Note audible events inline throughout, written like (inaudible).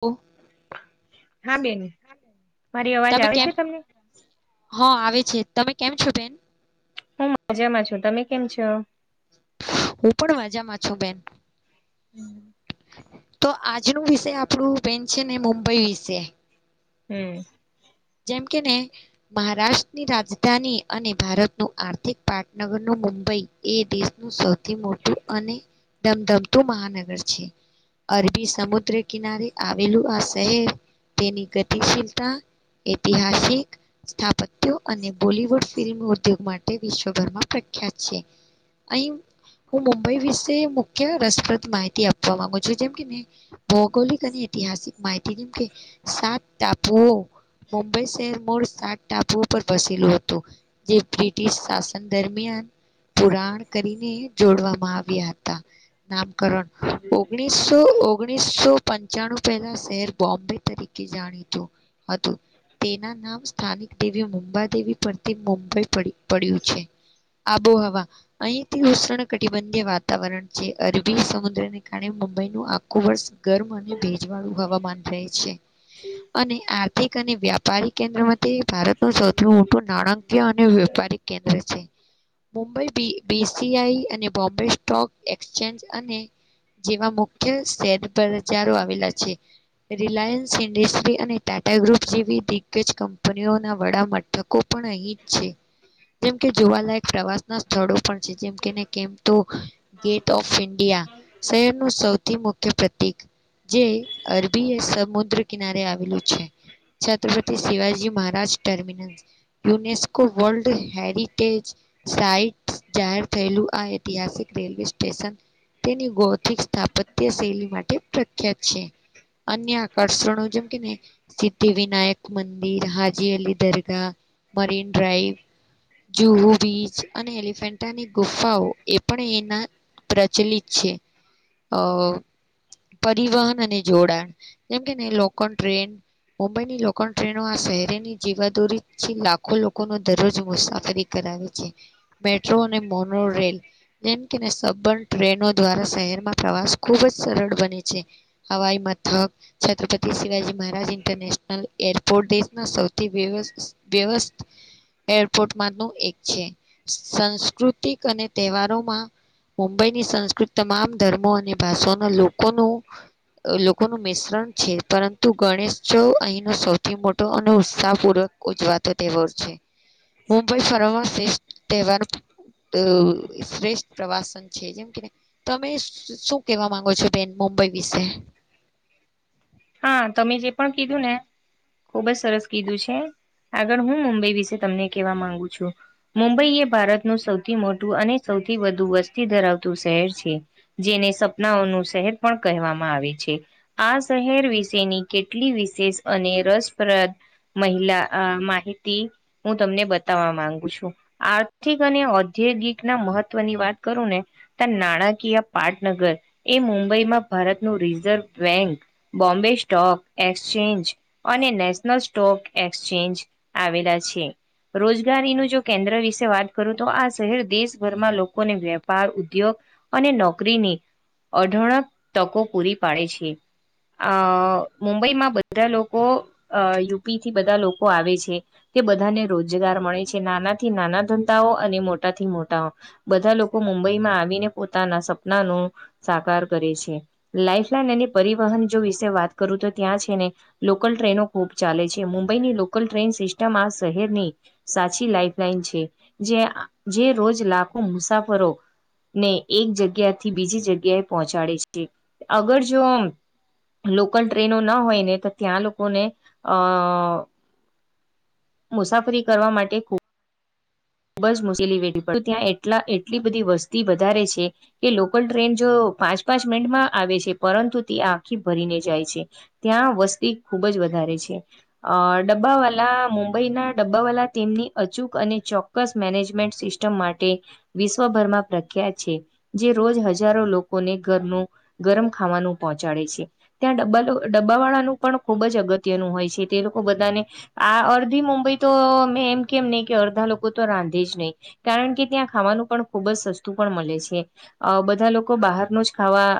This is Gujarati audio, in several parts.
ઓ. હા બેન મારી અવાજ આવે છે તમને? હ આવે છે તમે કેમ છો બેન? હું મજામાં છું. તમે કેમ છો? હું પણ માજામાં છું બેન. હમ્મ. તો આજનું વિષે આપણું બેન છે ને મુંબઈ વિશે. હમ્મ. જેમ કે ને મહારાષ્ટ્રની રાજધાની અને ભારતનું આર્થિક પાટનગરનું મુંબઈ એ દેશનું સૌથી મોટું અને ધમધમતું મહાનગર છે. અરબી સમુદ્ર કિનારે આવેલું આ શહેર તેની ગતિશીલતા ઐતિહાસિક સ્થાપત્યો અને બોલિવુડ ફિલ્મ ઉદ્યોગ માટે વિશ્વભરમાં પ્રખ્યાત છે અહીં હું મુંબઈ વિશે મુખ્ય રસપ્રદ માહિતી આપવા માંગુ, છું જેમ કેને. ભૌગોલિક અને ઐતિહાસિક માહિતીમ કે સાત ટાપુઓ મુંબઈ શહેર મૂળ સાત ટાપુ ઉપર વસેલું હતું. જે બ્રિટિશ શાસન દરમિયાન પુરાણ કરીને જોડવામાં આવ્યા હતા, નામકરણ ઓગણીસ તો ઓગણીસો પંચાણું પહેલા શહેર બોમ્બે તરીકે જાણીતું હતું. તેના નામ સ્થાનિક દેવી મુંબાદેવી પરથી મુંબઈ પડી પડ્યું છે. આબોહવા અહીંથી ઉષણ કટિબંધીય વાતાવરણ છે, અરબી સમુદ્રને કારણે મુંબઈનું આખુ વર્ષ ગરમ અને ભેજ વાળું હવામાન રહે છે. અને આર્થિક અને વ્યાપાર કેન્દ્રમાં તે ભારત નું સૌથી મોટું નાણાકીય અને વેપારી કેન્દ્ર છે. Mumbai B B C I અને બોમ્બે સ્ટોક એક્સચેન્જ અને જેવા મુખ્ય સેદ પ્રચારો આવેલા છે, રિલાયન્સ ઇન્ડસ્ટ્રી અને ટાટા ગ્રુપ જેવી એક જ કંપનીઓના વડા મથકો પણ અહીં જ છે. જેમ કે જોવાલાયક પ્રવાસ ના સ્થળો પણ છે, જેમ કેને કેમ તો ગેટ ઓફ ઇન્ડિયા શહેરનું સૌથી મુખ્ય પ્રતિક જે અરબી સમુદ્ર કિનારે આવેલું છે, Chhatrapati Shivaji Maharaj terminus, UNESCO world heritage site જાહેર થયેલું, આ ઐતિહાસિક રેલવે સ્ટેશન તેની ગૌતિક સ્થાપત્ય શૈલી માટે પ્રખ્યાત છે. અન્ય આકર્ષણો જેમ કે ને, સિદ્ધિ વિનાયક મંદિર, Haji Ali Dargah, marine drive Juhu beach અને એલિફેન્ટાની ગુફાઓ એ પણ એના પ્રચલિત છે અ પરિવહન અને જોડાણ જેમ કે નહીં, લોકલ ટ્રેન મુંબઈની પણ ટ્રેનો આ શહેરીની જીવાદોરીથી લાખો લોકોનો દરરોજ મુસાફરી કરાવે છે. મેટ્રો અને મોનો રેલ જેમ કે સબંધ ટ્રેનો દ્વારા શહેરમાં પ્રવાસ ખુબ જ સરળ બને છે. હવાઈ મથક, છત્રપતિ શિવાજી મહારાજ ઇન્ટરનેશનલ એરપોર્ટ સૌથી વ્યવસ્થિત એરપોર્ટમાં ન એક છે, સંસ્કૃતિક અને તહેવારોમાં મુંબઈની સંસ્કૃત તમામ ધર્મો અને ભાષાના લોકોનું લોકોનું મિશ્રણ છે, પરંતુ ગણેશ જો અહીંનો સૌથી મોટો અને ઉત્સાહપૂર્વક ઉજવાતો તહેવાર છે. મુંબઈ ફરમાંશ (unintelligible) તેહવાર ત શ્રેષ્ઠ પ્રવાસન છે, જેમ કે તમે શું કેવા માંગો છો, બેન મુંબઈ વિશે? હા, તમે જે પણ કીધું ને, ખુબ જ સરસ કીધું છે. આગળ હું મુંબઈ વિશે તમને કેહેવા માંગુ છું? મુંબઈ એ ભારતનું સૌથી મોટું અને સૌથી વધુ વસ્તી ધરાવતું શહેર છે. જેને સપનાઓનું શહેર પણ કહેવામાં આવે છે આ શહેર વિશેની કેટલી વિશેષ અને રસપ્રદ મહિલા માહિતી હું તમને બતાવવા માંગુ છું. આર્થિક અને ઔદ્યોગિક ના મહત્વની વાત કરું ને ત નાણાકીય પાટનગર એ મુંબઈમાં ભારતનું reserve bank Bombay stock exchange અને નેશનલ સ્ટોક એક્સચેન્જ આવેલા છે રોજગારીનું જો કેન્દ્ર વિશે વાત કરું તો આ શહેર દેશભરમાં લોકોને વેપાર ઉદ્યોગ અને નોકરીની અઢળક તકો પૂરી પાડે છે. અ મુંબઈમાં બધા લોકો યુપી થી બધા લોકો આવે છે. કે બધાને રોજગાર મળે છે નાનાથી નાના ધંધાઓ અને મોટાથી મોટાઓ બધા લોકો મુંબઈમાં આવીને પોતાના સપનાનું સાકાર કરે છે લાઈફલાઈન અને પરિવહન જો વિશે વાત કરું તો ત્યાં છે ને લોકલ ટ્રેનો ખૂબ ચાલે છે મુંબઈની લોકલ ટ્રેન સિસ્ટમ આ શહેરની સાચી લાઈફ લાઈન છે જે જે રોજ લાખો મુસાફરો ને એક જગ્યા થી બીજી જગ્યા એ પહોંચાડે છે અગર જો આમ લોકલ ટ્રેનો ના હોયને તો ત્યાં લોકોને અ મુસાફરી કરવા માટે ખૂબ બસ મુશ્કેલી વેઠવી ત્યાં એટલી બધી વસ્તી વધારે છે. કે લોકલ ટ્રેન જો પાંચ પાંચ મિનટમાં આવે છે પરંતુ તે આખી ભરીને જાય છે. ત્યાં વસ્તી ખૂબ જ વધારે છે. ડબ્બાવાલા મુંબઈ ના ડબ્બાવાલા તેમની અચૂક અને ચોક મેનેજમેન્ટ સિસ્ટમ માટે વિશ્વભરમાં પ્રખ્યાત છે. જે રોજ હજારો લોકોને ઘરનું ગરમ ખાવાનું પહોંચાડે છે. ત્યાં ડબ્બા ડબ્બા વાળાનું પણ ખૂબ જ અગત્યનું હોય છે તે લોકો બધાને આ અડધી મુંબઈ તો મે એમ કેમ નહી કે અડધા લોકો તો રાંધે જ નહીં કારણ કે ત્યાં ખાવાનું પણ ખુબ જ સસ્તું પણ મળે છે. બધા લોકો બહારનું જ ખાવા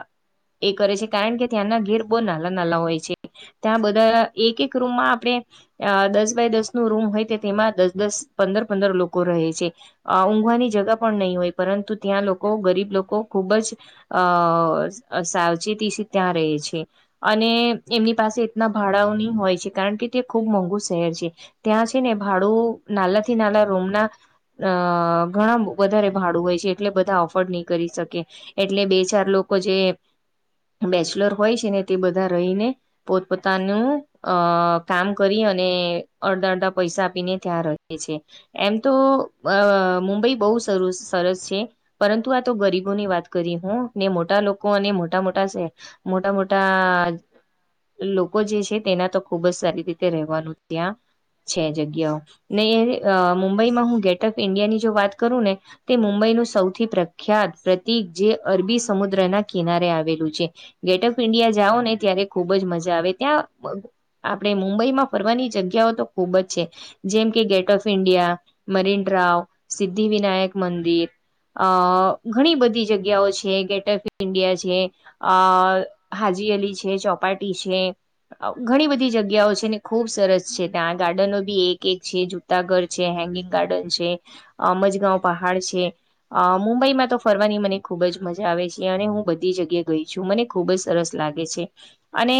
એ કરે છે કારણ કે ત્યાંના ઘેર બહુ નાના નાના હોય છે. ત્યાં બધા એક એક રૂમમાં આપણે અ દસ બાય દસ નું રૂમ હોય તે તેમાં દસ દસ પંદર પંદર લોકો રહે છે. અ ઊંઘવાની જગા પણ નહીં હોય પરંતુ ત્યાં લોકો ગરીબ લોકો ખૂબ જ અ સાવચેતી ત્યાં રહે છે. અને એમની પાસે એટના ભાડાઓ નહી હોય છે કારણ કે તે ખુબ મોંઘું શહેર છે. ત્યાં છે ને ભાડું નાના થી નાના રૂમના અ ઘણા વધારે ભાડું હોય છે એટલે બધા અફોર્ડ નહીં કરી શકે. એટલે બે ચાર લોકો જે બેચલર હોય છે ને તે બધા રહીને પોતપોતાનું અ કામ કરી અને અડધા અડધા પૈસા આપીને ત્યાં રહે છે એમ તો મુંબઈ બહુ સરસ છે. પરંતુ આ તો ગરીબો ની વાત કરી હું ને મોટા લોકો અને મોટા મોટા મોટા મોટા લોકો જે છે તેના તો ખુબ જ સારી રીતે રહેવાનું ત્યાં છે જગ્યાઓ ને એ મુંબઈમાં હું ગેટ ઓફ ઈન્ડિયા ની જો વાત કરું ને તે મુંબઈનું સૌથી પ્રખ્યાત પ્રતિક જે અરબી સમુદ્રના કિનારે આવેલું છે. ગેટ ઓફ ઇન્ડિયા જાઓ ને ત્યારે ખુબ જ મજા આવે ત્યાં આપણે મુંબઈમાં ફરવાની જગ્યાઓ તો ખુબ જ છે. જેમ કે gate of India marine drive, Siddhi Vinayak મંદિર, અ ઘણી બધી જગ્યાઓ છે ગેટ વે ઓફ ઇન્ડિયા છે. અ હાજી અલી છે, ચોપાટી છે, ઘણી બધી જગ્યાઓ છે ને ખુબ સરસ છે ત્યાં ગાર્ડનો બી એક એક છે જૂતા ઘર છે હેંગિંગ ગાર્ડન છે અમજગાંવ પહાડ છે અ મુંબઈમાં તો ફરવાની મને ખુબ જ મજા આવે છે અને હું બધી જગ્યા ગઈ છું મને ખુબ જ સરસ લાગે છે અને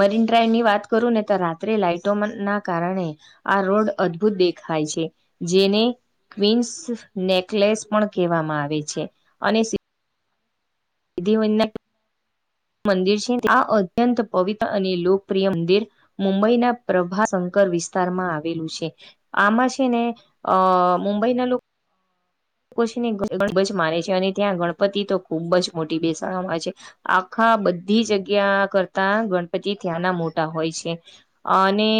મરીન ડ્રાઈવ ની વાત કરું ને તો રાત્રે લાાઈટો ના કારણે આ રોડ અદભુત દેખાય છે જેને ક્વિન્સ નેકલેસ પણ કહેવામાં આવે છે અને એધ મંદિર છે આ અત્યંત પવિત્ર અને લોકપ્રિય મંદિર મુંબઈના પ્રભા શંકર વિસ્તારમાં આવેલું છે આમાં છે ને અ મુંબઈના લોકો છીને ગબ જ માને છે અને ત્યાં ગણપતિ તો ખુબ જ મોટી બેસામાં છે આખા બધી જગ્યા કરતા ગણપતિ ત્યાંના મોટા હોય છે અને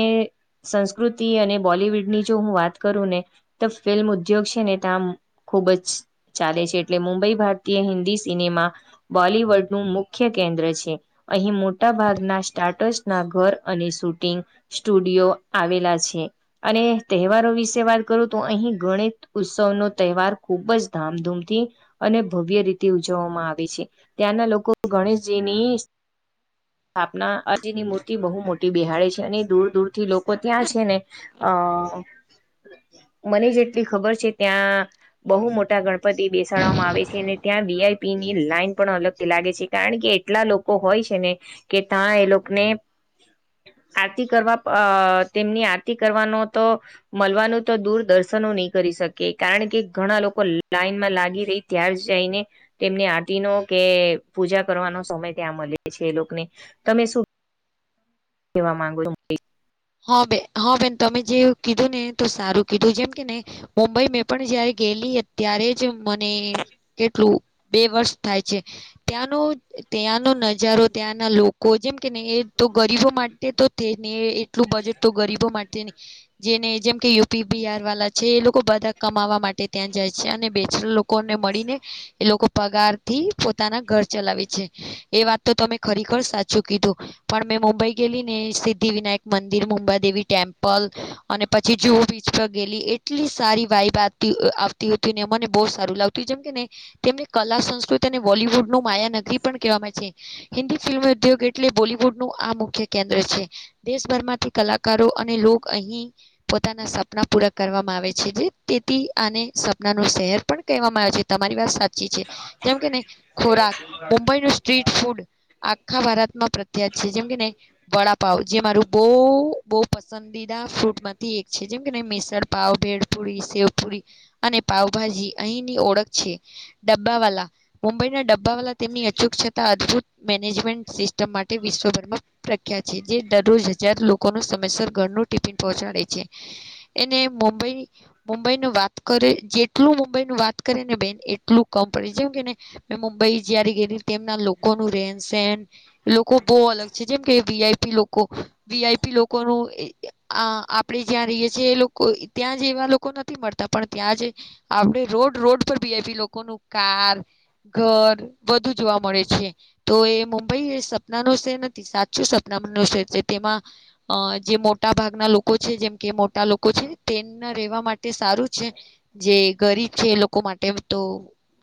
સંસ્કૃતિ અને બોલિવુડ ની જો હું વાત કરું ને તો ફિલ્મ ઉદ્યોગ છે ને ત ખૂબ જ ચાલે છે એટલે મુંબઈ ભારતીય હિન્દી સિનેમા બોલિવુડ નું મુખ્ય કેન્દ્ર છે અહીં મોટા ભાગના સ્ટાર્ટસ ના ઘર અને શૂટિંગ સ્ટુડિયો આવેલા છે અને તહેવારો વિશે વાત કરું તો અહી ગણિત ઉત્સવનો તહેવાર ખૂબ જ ધામધૂમથી અને ભવ્ય રીતે ઉજવવામાં આવે છે ત્યાંના લોકો ગણેશજીની સ્થાપના અજની મૂર્તિ બહુ મોટી બિહાડે છે અને દૂર દૂર થી લોકો ત્યાં છે ને અ મને જેટલી ખબર છે ત્યાં બહુ મોટા ગણપતિ બેસાડવામાં આવે છે અને ત્યાં વીઆઈપી ની લાાઈન પણ અલગ લાગે છે કારણ કે એટલા લોકો હોય છે ને કે ત્યાં એ લોકોને આરતી કરવા અ તેમની આરતી કરવાનો તો મળવાનું તો દૂર દર્શનો નહી કરી શકે કારણ કે ઘણા લોકો લાઈન માં લાગી રહી ત્યાાર જ જઈને તેમને આરતી નો કે પૂજા કરવાનો સમય ત્યાં મળે છે એ લોકોને તમે શું તેવા માંગ હા બે હા બેન તમે જે કીધું ને તો સારું કીધું જેમ કે ને મુંબઈ મેં પણ જયારે ગયલી ત્યારે જ મને કેટલું બે વર્ષ થાય છે ત્યાંનો ત્યાંનો નજારો ત્યાંના લોકો કો જેમ કે નહી એ તો ગરીબો માટે તો થ નને એટલું બજેટ તો ગરીબો માટે નહી જેને જેમ કે યુપી બીઆર વાળા છે એ લોકો બધા કમાવા માટે ત્યાં જાય છે અને બેચ ને મળીને એ લોકો પગાર થી પોતાના ઘર ચલાવે છે એ વાત તો તમે ખરેખર સાચું કીધું પણ મેં મુંબઈ ગેલી ને સિદ્ધિ વિનાયક મંદિર મુંબાદેવી ટેમ્પલ અને પછી જુહ બીચ પર ગેલી એટલી સારી વાઈ બાત આવતી હતીને મને બહુ સારું લાગતુંું જેમ કે ન તેમને કલા સંસ્કૃતિ અને બોલવુડ ન માયા નગરી પણ કહેવામાં છે હિન્દી ફિલ્મ ઉદ્યોગ એટલે બોલવુડ નું આ મુખ્ય કેન્દ્ર છે દેશભરમાંથી કલાકારો અને લો અહી પોતાના સપના પૂરા કરવામાં આવે છે તેથી આને સપનાનું શહેર પણ કહેવામાં આવે છે તમારી વાત સાચી છે જેમ કેને ખોરાક મુંબઈ ન સ્ટ્રીટ ફૂડ આખા ભારતમાં પ્રખ્યાત છે જેમ કે ને વડાપાવ જે મારું બહુ બહુ પસંદ ંદદ ફૂડમાંથી એક છે જેમ કે મેસરપાવ ભેડપુરી શેવપુરી અને પાાવભાજી અહીંની ઓળખ છે ડબ્બા વાલા મુંબઈના ડબ્બ અાવલા તેમની અચૂક છતાં અદભુત મેનેજમેન્ટ સિસ્ટમ માટે વિશ્વભરમાં પ્રખ્યાત છે જે દરરોજ હજાર લોકોનું સમયસર ઘરનું ટિફિન પહોંચાડે છે એને મુંબઈ મુંબઈ ન વાત કરે જેટલું મુંબઈનું વાત કરે ને બેન એટલું કમ પડે જેમ કે ને મે મુુંબઈ જયારી ગે તેમના લોકો ન રેન સન લોકો બહુ અલગ છે જેમ કે વીઆઈપી લોકો વીઆઈપી લોકોનું આપણેે જ્યાં રહીયએ છીએ એ લોકો ત્યાં જેવા લોકો નથી મળતા પણ ત્યાં જ આપણે રોડ રોડ પર બી એ લોકોનું કાર ઘર વધુ જોવા મળે છે તો એ મુંબઈ એ સપના ન છે નથી સાચું મ છે તેમાં અ જે મોટા ભાગના લોકો છે જેમ કે મોટા લોકો છે તેમને રહેેવા માટે સારું છે. જે ગરીબ છે લોકો માટે તો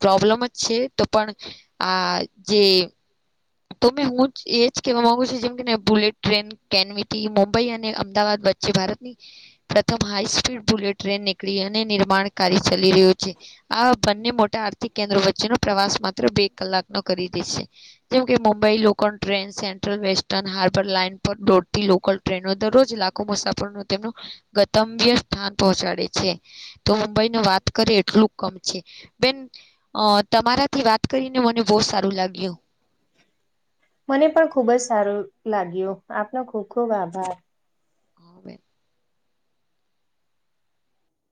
પ્રોબ્લેમ જ છે તો પણ આ જે તોમે હું જ એ જ કેહેવા માંગુ છું, જેમ કેને બુલેટ ટ્રેન કેનવીટી મુંબઈ અને અમદાવાદ વચ્ચે ભારતની પ્રથમ હાઈ સ્પીડ બુલેટ ટ્રેન નીકળી અને નિર્માણ કાર્ય ચાલી રહ્યો છે, આ બંને મોટા આર્થિક કેન્દ્રો વચ્ચેનોો પ્રવાસ માત્ર બે કલાકનો કરી દેશે જેમ કે Mumbai local train central western harbour line પરો લોકલ ટ્રેનો દરરોજ લાખો મુસાફરો ન તેમનો ગત્ય સ્થાન પહોંચાડે છે તો ભાઈને વાત કરીે એટલું કમ છે બેન તમારાથી વાત કરીને મને બહુ સારું લાગ્યું મને પણ ખુબ જ સારું લાગ્યું આપનો ખુબ ખુબ આભાર. હ બેન